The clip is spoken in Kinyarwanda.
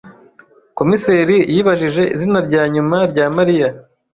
Komiseri yibajije izina rya nyuma rya Mariya.